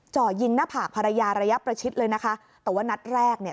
จ่อยิงหน้าผากภรรยาระยะประชิดเลยนะคะแต่ว่านัดแรกเนี่ย